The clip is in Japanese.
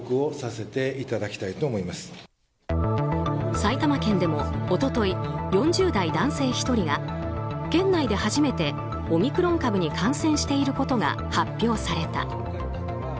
埼玉県でも、一昨日４０代男性１人が県内で初めてオミクロン株に感染していることが発表された。